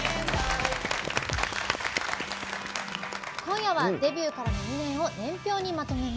今夜はデビューからの２年を年表にまとめました。